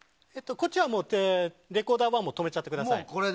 こっちはレコーダーは止めちゃってください。